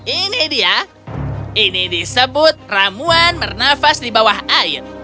ini dia ini disebut ramuan bernafas di bawah air